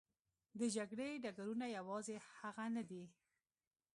د جګړې ډګرونه یوازې هغه نه دي.